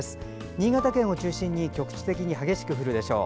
新潟県を中心に局地的に強く降るでしょう。